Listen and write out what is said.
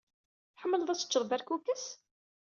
Tḥemmleḍ ad teččeḍ berkukes?